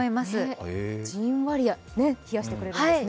じんわり冷やしてくれるんですね。